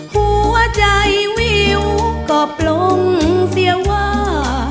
หัวใจวิวก็ปลงเสียงว่า